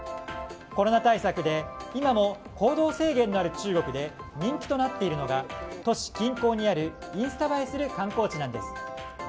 コロナ対策で今も行動制限のある中国で人気となっているのが都市近郊にあるインスタ映えする観光地なんです。